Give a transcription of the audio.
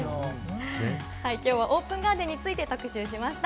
今日はオープンガーデンについて特集しました。